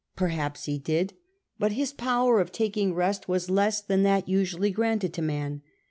Perhaps he did, but his power of taking rest was less than that usually granted to man.